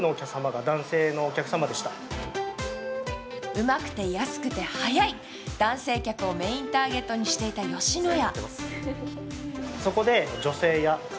うまくて安くて早い、男性をメインターゲットにしていた吉野家。